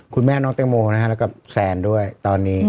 คุณแม่น้องแตงโมนะฮะแล้วก็แซนด้วยตอนนี้